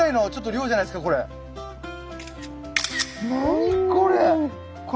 何これ！